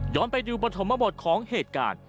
ย้อนไปดูบรรถมบทของเหตุการณ์